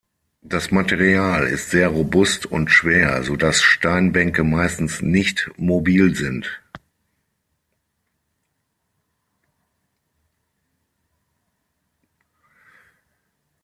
Das Material ist sehr robust und schwer, so dass Steinbänke meistens nicht mobil sind.